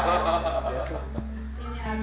semoga kalian menghargai pakistan they have